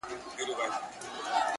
چي لمن د شپې خورېږي ورځ تېرېږي؛